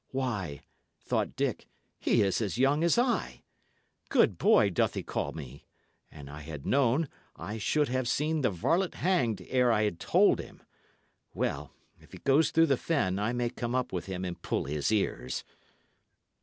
"Why," thought Dick, "he is a young as I. 'Good boy' doth he call me? An I had known, I should have seen the varlet hanged ere I had told him. Well, if he goes through the fen, I may come up with him and pull his ears."